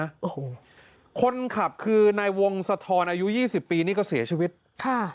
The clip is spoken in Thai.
โอ้โหคนขับคือนายวงสะทอนอายุยี่สิบปีนี่ก็เสียชีวิตค่ะ